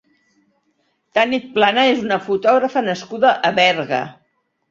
Tanit Plana és una fotògrafa nascuda a Berga.